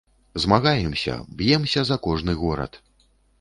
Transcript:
Змагаемся, б'емся за кожны горад.